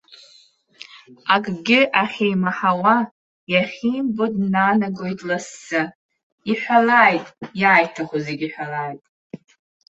Акгьы ахьимаҳауа, иахьимбо днанагоит лассы, иҳәалааит, иааиҭаху зегьы иҳәалааит.